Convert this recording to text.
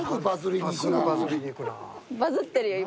バズってるよ